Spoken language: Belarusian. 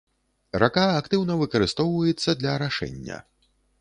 Рака актыўна выкарыстоўваецца для арашэння.